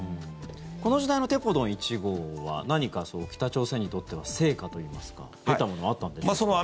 この時代のテポドン１号は何か北朝鮮にとっては成果といいますか得たものはあったんでしょうか。